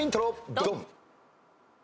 ドン！